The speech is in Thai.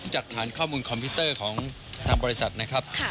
จากฐานข้อมูลคอมพิวเตอร์ของทางบริษัทนะครับ